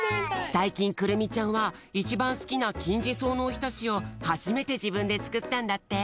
さいきんくるみちゃんはいちばんすきなきんじそうのおひたしをはじめてじぶんでつくったんだって。